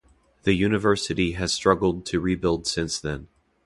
The university has struggled to rebuild since then.